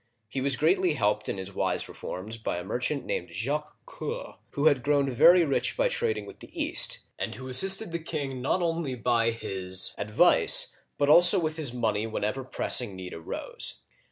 He was greatly helped in his wise reforms by a merchant named Jacques Coeur (zhak ker), who had grown very rich by trading with the East, and who assisted the king not only by his advice, but also with his money whenever pressing need arose.